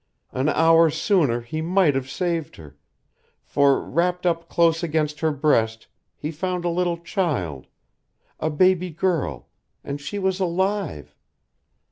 An hour sooner he might have saved her, for, wrapped up close against her breast, he found a little child a baby girl, and she was alive.